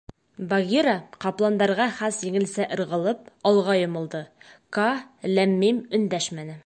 Багира, ҡапландарға хас еңелсә ырғылып, алға йомолдо, Каа ләм-мим өндәшмәне.